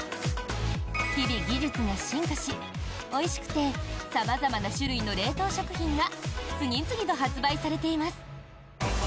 日々、技術が進化しおいしくて様々な種類の冷凍食品が次々と発売されています。